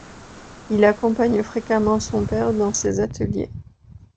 Il accompagne fréquemment son père dans ses ateliers.